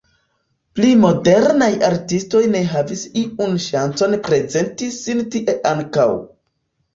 Pli modernaj artistoj ne havis iun ŝancon prezenti sin tie ankaŭ.